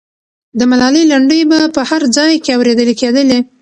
د ملالۍ لنډۍ به په هر ځای کې اورېدلې کېدلې.